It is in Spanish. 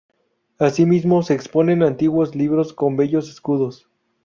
Asimismo se exponen antiguos libros con bellos escudos.